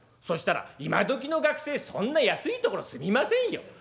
そしたら『今どきの学生そんな安い所住みませんよ。